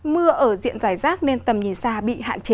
mưa ở diện giải rác nên tầm nhìn xa bị hạn chế